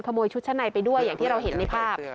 ขโมยชุดชะไนไปด้วยอย่างที่เราเห็นในภาพ